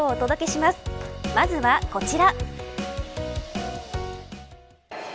まずはこちら。